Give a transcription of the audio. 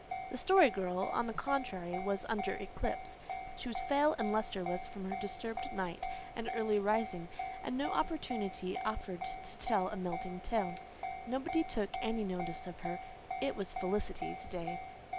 The Story Girl, on the contrary, was under eclipse. She was pale and lustreless from her disturbed night and early rising; and no opportunity offered to tell a melting tale. Nobody took any notice of her. It was Felicity's day.